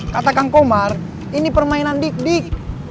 kata kang komar ini permainan dik dik